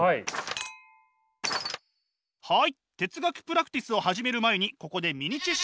はい哲学プラクティスを始める前にここでミニ知識。